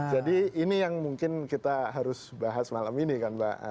ini yang mungkin kita harus bahas malam ini kan mbak